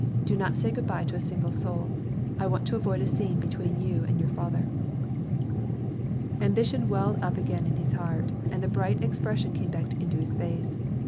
Do not say good bye to a single soul. I want to avoid a scene between you and your father." Ambition welled up again in his heart, and the bright expression came back into his face.